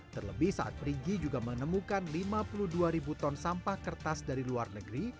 terlebih saat perigi juga menemukan lima puluh dua ribu ton sampah kertas dari luar negeri